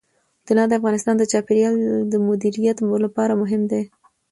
طلا د افغانستان د چاپیریال د مدیریت لپاره مهم دي.